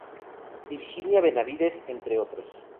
Virginia Benavides, entre otros.